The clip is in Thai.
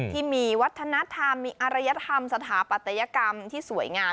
ที่มีวัฒนธรรมมีอรยธรรมสถาปัตยกรรมที่สวยงาม